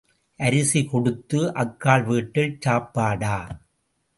அரிசி கொடுத்து அக்காள் வீட்டில் சாப்பாடா?